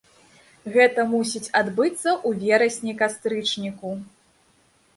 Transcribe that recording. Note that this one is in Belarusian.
Гэта мусіць адбыцца ў верасні-кастрычніку.